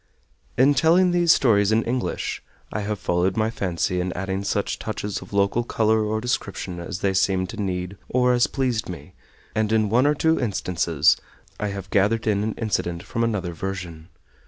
In telling these stories in English I have followed my fancy in adding such touches of local color or description as they seemed to need or as pleased me, and in one or two instances I have gathered in an incident from another version.